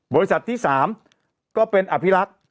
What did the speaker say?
บริษัทที่๓ก็เป็นอภิรักษ์